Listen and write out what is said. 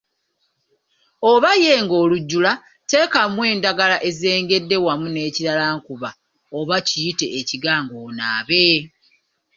Oba yenga olujjula, teekamu endagala ezengedde wamu n'ekiraalankuba oba kiyite ekigango onaabe.